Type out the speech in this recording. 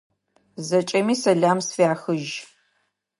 Зэкӏэми сэлам сфяхыжь!